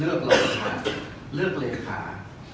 เลือกบันทราบเลือกเลขา